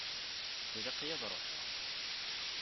Ilaq-iyi ad ruḥeɣ.